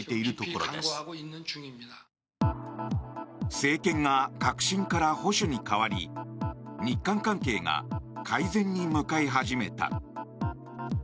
政権が革新から保守に代わり日韓関係が改善に向かい始めた。